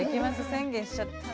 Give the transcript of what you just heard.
宣言しちゃったな。